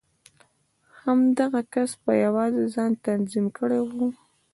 همدغه کس په يوازې ځان تنظيم کړی و.